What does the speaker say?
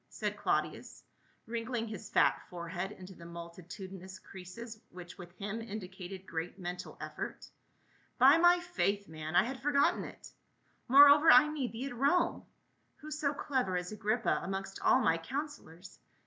said Claudius, wrinkling his fat forehead into the mul titudinous creases which with him indicated great mental effort. " By my faith, man, I had forgotten it. Moreover, I need thee at Rome ; who so clever as Agrippa amongst all my counselors.